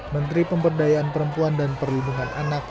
menteri pemberdayaan perempuan dan perlindungan anak